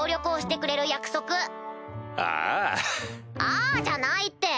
「あぁ」じゃないって！